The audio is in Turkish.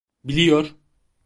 Biliyor.